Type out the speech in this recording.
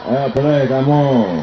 oh boleh kamu